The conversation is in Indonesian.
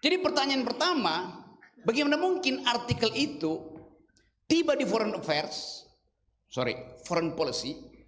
jadi pertanyaan pertama bagaimana mungkin artikel itu tiba di foreign affairs sorry foreign policy